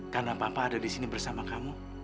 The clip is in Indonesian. karena papa ada disini bersama kamu